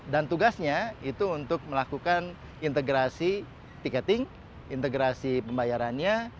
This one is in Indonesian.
dan tugasnya itu untuk melakukan integrasi tiketing integrasi pembayarannya